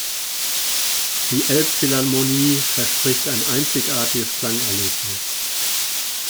Die Elbphilharmonie verspricht ein einzigartiges Klangerlebnis.